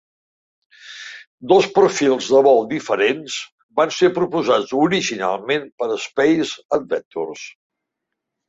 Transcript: Dos perfils de vol diferents van ser proposats originalment per Space Adventures.